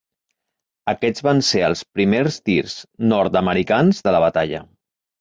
Aquests van ser els primers tirs nord-americans de la batalla.